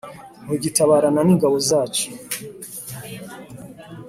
ntugitabarana n'ingabo zacu